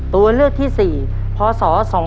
ตัวเลือกที่๔พศ๒๕๖